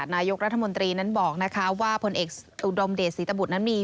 นายราธมนตรีบอกว่าพลเอกอุดมเดชน์ศรีตบุรรณ์มี